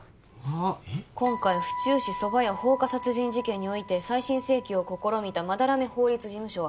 「今回府中市蕎麦屋放火殺人事件において」「再審請求を試みた斑目法律事務所は」